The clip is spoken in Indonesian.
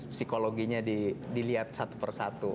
psikologinya dilihat satu persatu